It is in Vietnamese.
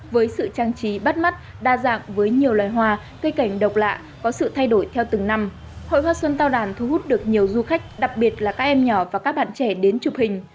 với sự trang trí bắt mắt đa dạng với nhiều loài hoa cây cảnh độc lạ có sự thay đổi theo từng năm hội hoa xuân tao đàn thu hút được nhiều du khách đặc biệt là các em nhỏ và các bạn trẻ đến chụp hình